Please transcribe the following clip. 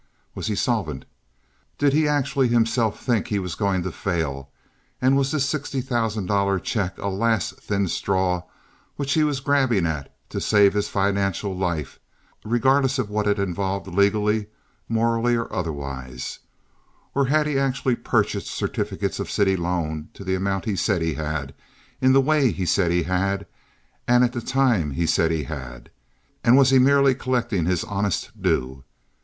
Was he solvent? Did he actually himself think he was going to fail, and was this sixty thousand dollar check a last thin straw which he was grabbing at to save his financial life regardless of what it involved legally, morally, or otherwise; or had he actually purchased certificates of city loan to the amount he said he had in the way he said he had, at the time he said he had, and was he merely collecting his honest due?